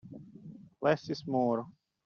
Less is more.